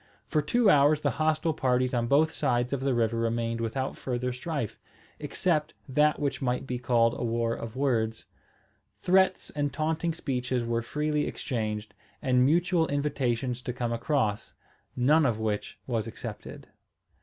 For two hours the hostile parties on both sides of the river remained without further strife, except that which might be called a war of words. Threats and taunting speeches were freely exchanged, and mutual invitations to come across, none of which was accepted.